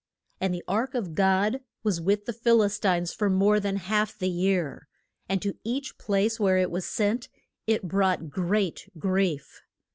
And the ark of God was with the Phil is tines for more than half the year, and to each place where it was sent it brought great grief.